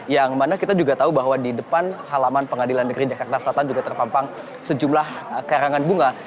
yang mana kita juga tahu bahwa di depan halaman pengadilan negeri jakarta selatan juga terpampang sejumlah karangan bunga